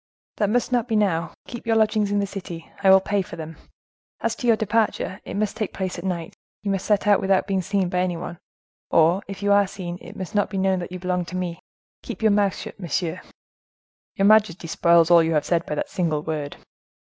"That must not be now—keep your lodgings in the city: I will pay for them. As to your departure, it must take place at night; you must set out without being seen by any one, or, if you are seen, it must not be known that you belong to me. Keep your mouth shut, monsieur." "Your majesty spoils all you have said by that single word."